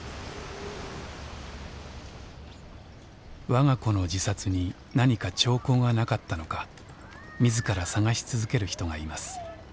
我が子の自殺に何か兆候がなかったのか自ら探し続ける人がいます。